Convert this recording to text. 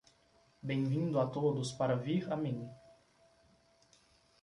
Bem-vindo a todos para vir a mim.